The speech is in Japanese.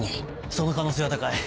その可能性は高い。